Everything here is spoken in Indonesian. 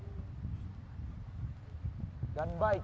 hai dan baik